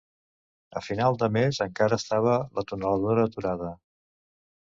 A final de mes encara estava la tuneladora aturada.